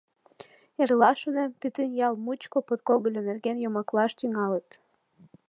Эрла, шонем, пӱтынь ял мучко подкогыльо нерген йомаклаш тӱҥалыт.